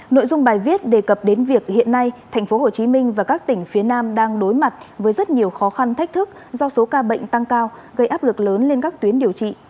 nội dung bài viết đề cập đến việc hiện nay thành phố hồ chí minh và các tỉnh phía nam đang đối mặt với rất nhiều khó khăn thách thức do số ca bệnh tăng cao gây áp lực lớn lên các tuyến điều trị